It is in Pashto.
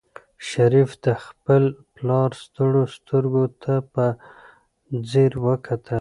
شریف د خپل پلار ستړو سترګو ته په ځیر وکتل.